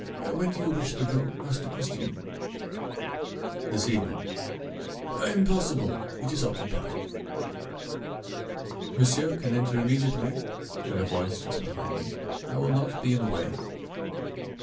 When do you wish the room, Master Christian?" "This evening." "Impossible! it is occupied!" "Monsieur can enter immediately," said a voice just behind me, "I will not be in the way."